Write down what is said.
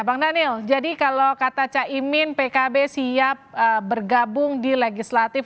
bang daniel jadi kalau kata caimin pkb siap bergabung di legislatif